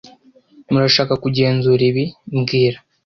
Murashaka kugenzura ibi mbwira